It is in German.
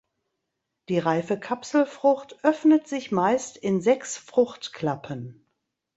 Die reife Kapselfrucht öffnet sich meist in sechs Fruchtklappen.